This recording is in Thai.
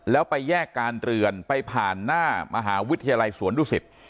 แล้วไปแยกการเรือนไปผ่านหน้ามหาวิทยาลัยสวนดุสิต